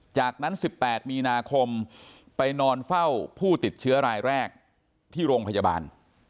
จากนั้น๑๘มีนาคมไปนอนเฝ้าผู้ติดเชื้อรายแรกที่โรงพยาบาล